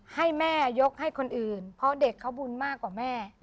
ให้แม่ยกให้คนอื่นเพราะเด็กเขาบุญมากกว่าแม่